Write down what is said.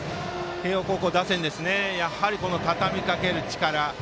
慶応高校打線たたみかける力。